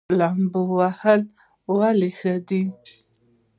لامبو وهل ولې ښه دي؟